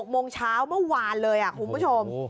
โมงเช้าเมื่อวานเลยคุณผู้ชม